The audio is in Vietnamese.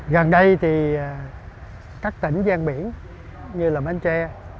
gần đây thì các tỉnh gian biển như là bến tre